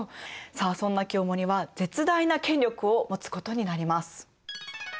さあそんな清盛は絶大な権力を持つことになります。